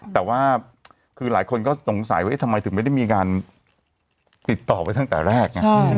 แต่ว่าคือหลายคนก็สงสัยว่าทำไมถึงไม่ได้มีการติดต่อไปตั้งแต่แรกไง